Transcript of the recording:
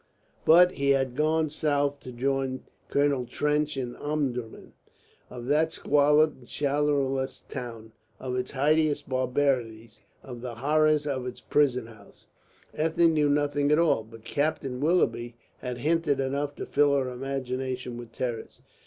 But he had gone south to join Colonel Trench in Omdurman. Of that squalid and shadowless town, of its hideous barbarities, of the horrors of its prison house, Ethne knew nothing at all. But Captain Willoughby had hinted enough to fill her imagination with terrors.